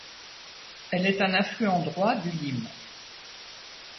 Elle est un affluent droit du Lim.